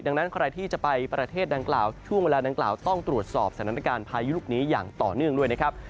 ดังนั้นใครที่จะไปประเทศดังกล่าวช่วงเวลาดังกล่าวต้องตรวจสอบสถานการณ์พายุลูกนี้อย่างต่อเนื่องด้วยนะครับ